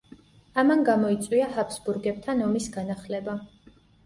ამან გამოიწვია ჰაბსბურგებთან ომის განახლება.